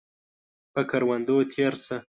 پۀ کروندو تیره شه